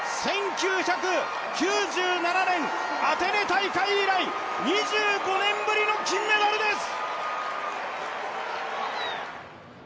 １９９７年アテネ大会以来２５年ぶりの金メダルです。